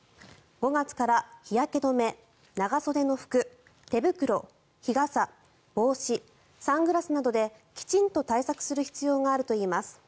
５月から日焼け止め、長袖の服手袋、日傘、帽子サングラスなどできちんと対策する必要があるといいます。